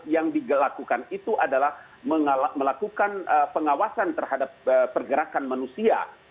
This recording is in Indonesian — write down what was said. yang dilakukan itu adalah melakukan pengawasan terhadap pergerakan manusia